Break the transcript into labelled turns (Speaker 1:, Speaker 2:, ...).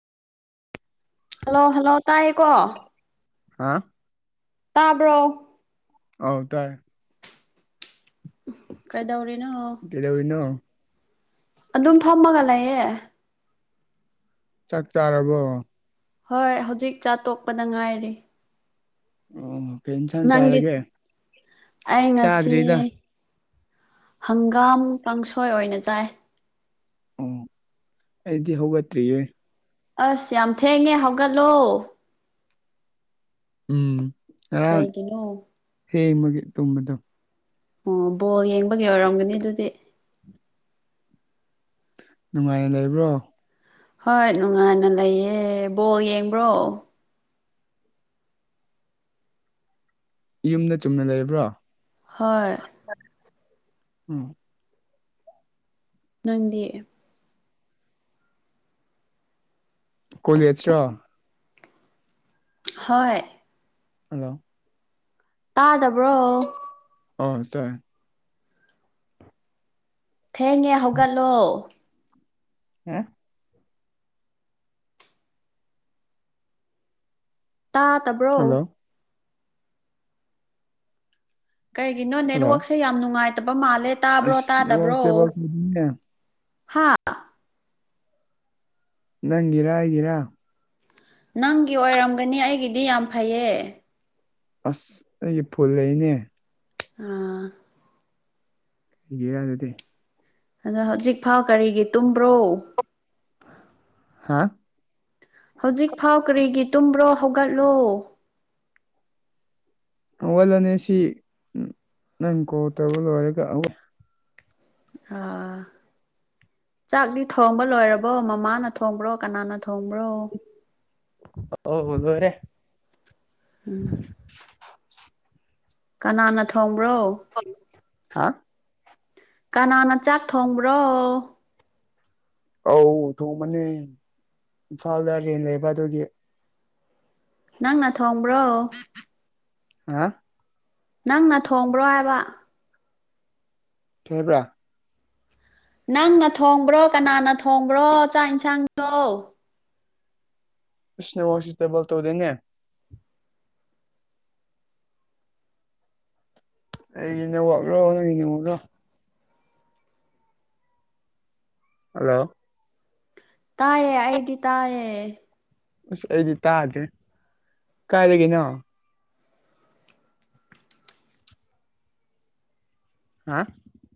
Speaker 1: hello hello ꯇꯥꯏꯌꯦꯀꯣ
Speaker 2: ꯍꯥ
Speaker 1: ꯇꯥꯕ꯭ꯔꯣ
Speaker 2: ꯑꯧ ꯇꯥꯏ
Speaker 1: ꯀꯩꯗꯧꯔꯤꯅꯣ
Speaker 2: ꯀꯩꯗꯧꯔꯤꯅꯣ
Speaker 1: ꯑꯗꯨꯝ ꯐꯝꯃꯒ ꯂꯩꯌꯦ
Speaker 2: ꯆꯥꯛ ꯆꯥꯔꯕꯣ
Speaker 1: ꯍꯣꯏ ꯍꯧꯖꯤꯛ ꯆꯥ ꯇꯣꯛꯄꯗ ꯉꯥꯏꯔꯤ
Speaker 2: ꯑꯣ ꯀꯩ ꯏꯟ
Speaker 1: ꯅꯪꯗꯤ ꯑꯩ ꯉꯁꯤ
Speaker 2: ꯆꯥꯗ꯭ꯔꯤꯗ
Speaker 1: ꯍꯪꯒꯥꯝ ꯀꯥꯡꯁꯣꯏ ꯑꯣꯏꯅ ꯆꯥꯏ
Speaker 2: ꯑꯣ ꯑꯩꯗꯤ ꯍꯧꯒꯠꯇ꯭ꯔꯤꯌꯦ
Speaker 1: ꯑꯁ ꯌꯥꯝ ꯊꯦꯡꯉꯦ ꯍꯧꯒꯠꯂꯣ
Speaker 2: ꯎꯝ ꯉꯔꯥꯡ
Speaker 1: ꯀꯩꯒꯤꯅꯣ
Speaker 2: ꯍꯦꯡꯕꯒꯤ ꯇꯨꯝꯕꯗꯣ
Speaker 1: ꯑꯣ ꯕꯣꯜ ꯌꯦꯡꯕꯒꯤ ꯑꯣꯏꯔꯝꯒꯅꯤ ꯑꯗꯨꯗꯤ
Speaker 2: ꯅꯨꯡꯉꯥꯏꯅ ꯂꯩꯕ꯭ꯔꯣ
Speaker 1: ꯍꯣꯏ ꯅꯨꯡꯉꯥꯏꯅ ꯂꯩꯌꯦ ꯕꯣꯜ ꯌꯦꯡꯕ꯭ꯔꯣ
Speaker 2: ꯌꯨꯝꯗ ꯆꯨꯝꯅ ꯂꯩꯔꯕ꯭ꯔꯣ
Speaker 1: ꯍꯣꯏ
Speaker 2: ꯎꯝ
Speaker 1: ꯅꯪꯗꯤ
Speaker 2: ꯀꯣꯂꯦꯠꯁꯔꯣ
Speaker 1: ꯍꯣꯏ
Speaker 2: ꯍꯜꯂꯣ
Speaker 1: ꯇꯥꯗꯕ꯭ꯔꯣ
Speaker 2: ꯑꯥ ꯇꯥꯢꯌꯦ
Speaker 1: ꯊꯦꯡꯉꯦ ꯍꯧꯒꯠꯂꯣ
Speaker 2: [unintelligible]
Speaker 1: ꯇꯥꯗꯕ꯭ꯔꯣ
Speaker 2: ꯍꯜꯂꯣ
Speaker 1: ꯀꯩꯒꯤꯅꯣ
Speaker 2: ꯍꯜꯂꯣ
Speaker 1: ꯅꯦꯠꯋꯛꯁꯦ ꯌꯥꯝ ꯅꯨꯡꯉꯥꯏꯇꯕ ꯃꯥꯜꯂꯦ ꯇꯥꯕ꯭ꯔꯣ
Speaker 2: ꯑꯁ ꯅꯦꯠꯋꯥꯛ
Speaker 1: ꯇꯥꯗꯕ꯭ꯔꯣ
Speaker 2: ꯏꯁꯇꯦꯕꯜ ꯇꯧꯗꯦꯅꯦ
Speaker 1: ꯍꯥꯥ
Speaker 2: ꯅꯪꯒꯤꯔꯥ ꯑꯩꯒꯤꯔꯥ
Speaker 1: ꯅꯪꯒꯤ ꯑꯣꯏꯔꯝꯒꯅꯤ ꯑꯩꯒꯤꯗꯤ ꯌꯥꯝ ꯐꯩꯌꯦ
Speaker 2: ꯑꯁ ꯑꯩꯒꯤ ꯐꯨꯜ ꯂꯩꯅꯦ
Speaker 1: [unintelligible]
Speaker 2: ꯌꯔꯗꯤ
Speaker 1: ꯑꯗꯣ ꯍꯧꯖꯤꯛꯐꯥꯎ ꯀꯔꯤꯒꯤ ꯇꯨꯝꯕ꯭ꯔꯣ
Speaker 2: ꯍꯥ
Speaker 1: ꯍꯧꯖꯤꯛꯐꯥꯎ ꯀꯔꯤꯒꯤ ꯇꯨꯝꯕ꯭ꯔꯣ ꯍꯧꯒꯠꯂꯣ
Speaker 2: ꯍꯧꯒꯠꯂꯅꯤ ꯁꯤ ꯅꯪ ꯀꯣꯜ ꯇꯧꯕ ꯂꯣꯏꯔꯒ
Speaker 1: ꯍꯥ ꯆꯥꯛꯗꯤ ꯊꯣꯡꯕ ꯂꯣꯏꯔꯕꯣ ꯃꯃꯥꯅ ꯊꯣꯡꯕ꯭ꯔꯣ ꯀꯅꯥꯅ ꯊꯣꯡꯕ꯭ꯔꯣ
Speaker 2: [unintelligible] ꯂꯣꯢꯔꯦ
Speaker 1: ꯎꯝ ꯀꯅꯥꯅ ꯊꯣꯡꯕ꯭ꯔꯣ
Speaker 2: [unintelligible]
Speaker 1: ꯀꯅꯥꯅ ꯆꯥꯛ ꯊꯣꯡꯕ꯭ꯔꯣ
Speaker 2: ꯑꯧ ꯊꯣꯡꯕꯅꯦ ꯏꯝꯐꯥꯜꯗ ꯔꯦꯟ ꯂꯩꯕ ꯑꯗꯨꯒꯤ
Speaker 1: ꯅꯪꯅ ꯊꯣꯡꯕ꯭ꯔꯣ
Speaker 2: ꯍꯥ
Speaker 1: ꯅꯪꯅ ꯊꯣꯡꯕ꯭ꯔꯣ ꯍꯥꯏꯕ
Speaker 2: ꯀꯩ ꯍꯥꯢꯕ꯭ꯔꯥ
Speaker 1: ꯅꯪꯅ ꯊꯣꯡꯕ꯭ꯔꯣ ꯀꯅꯥꯅ ꯊꯣꯡꯕ꯭ꯔꯣ ꯆꯥꯛ ꯢꯟꯁꯥꯡꯗꯣ
Speaker 2: ꯑꯁ ꯅꯦꯠꯋꯥꯛꯁꯦ ꯏꯁꯇꯦꯕꯜ ꯇꯧꯗꯦꯅꯦ ꯑꯩꯒꯤ ꯅꯦꯠꯋꯥꯛꯂꯣ ꯅꯪꯒꯤ ꯅꯦꯠꯋꯥꯛꯂꯣ ꯍꯜꯂꯣ
Speaker 1: ꯇꯥꯏꯌꯦ ꯑꯩꯗꯤ ꯇꯥꯏꯌꯦ
Speaker 2: ꯑꯁ ꯑꯩꯗꯤ ꯇꯥꯗꯦ ꯀꯥꯢ ꯂꯩꯒꯦ ꯅꯪ ꯍꯥ